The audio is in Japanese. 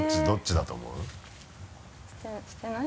どっちだと思う？